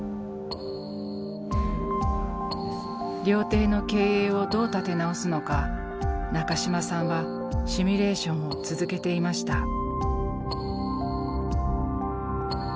料亭の経営をどう立て直すのか中島さんはシミュレーションを続けていました。